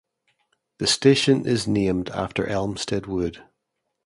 The station is named after Elmstead Wood.